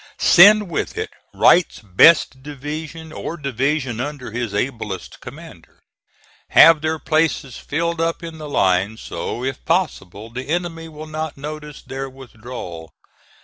Send with it Wright's best division or division under his ablest commander. Have their places filled up in the line so if possible the enemy will not notice their withdrawal.